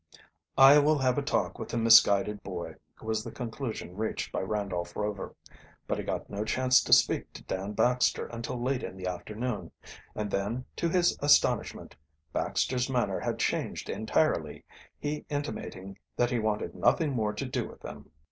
"I will have a talk with the misguided boy," was the conclusion reached by Randolph Rover; but he got no chance to speak to Dan Baxter until late in the afternoon, and then, to his astonishment, Baxter's manner had changed entirely, he intimating that he wanted nothing more to do with them.